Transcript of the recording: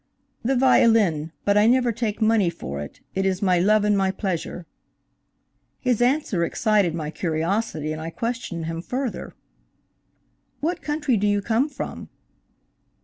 "The violin, but I never take money for it. It is my love and my pleasure." His answer excited my curiosity and I questioned him further. "What country do you come from?"